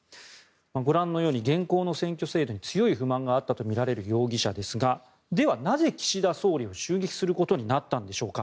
ご覧のように現行の選挙制度に強い不満があったとみられる木村容疑者ですがではなぜ岸田総理を襲撃することになったんでしょうか。